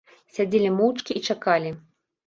Сядзелі моўчкі й чакалі.